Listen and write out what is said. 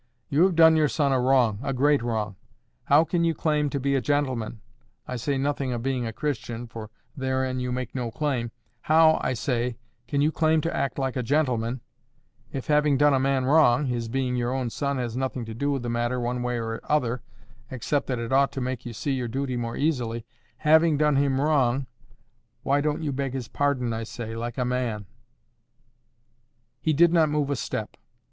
You have done your son a wrong, a great wrong. How can you claim to be a gentleman—I say nothing of being a Christian, for therein you make no claim—how, I say, can you claim to act like a gentleman, if, having done a man wrong—his being your own son has nothing to do with the matter one way or other, except that it ought to make you see your duty more easily—having done him wrong, why don't you beg his pardon, I say, like a man?" He did not move a step.